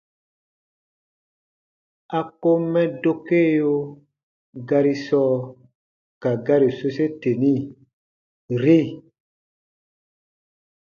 A kom mɛ dokeo gari sɔɔ ka gari sose teni: “-ri”.